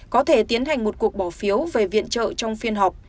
có thể tiến hành một cuộc bỏ phiếu về viện trợ trong phiên họp